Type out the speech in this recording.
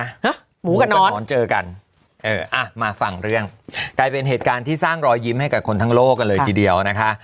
หมูกับหนอนเจอกันเอออ่ะมาฟังเรื่องกลายเป็นเหตุการณ์ที่สร้างรอยยิ้มให้กับคนทั้งโลกกันเลยทีเดียวนะคะ